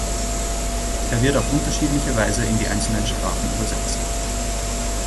Er wird auf unterschiedliche Weise in die einzelnen Sprachen übersetzt.